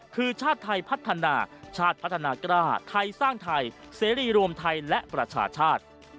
คือชาติไทยพัฒนาชาติพัฒนากล้าไทยสร้างไทยเสรีรวมไทยและประชาชาติ